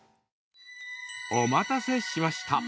お待たせしました！